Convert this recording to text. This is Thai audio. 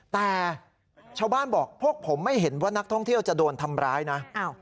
แต่ชาวบ้านบอกพวกผมไม่เห็นว่านักท่องเที่ยวจะโดนทำร้ายนะ